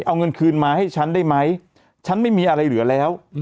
เอาเงินคืนมาให้ฉันได้ไหมฉันไม่มีอะไรเหลือแล้ว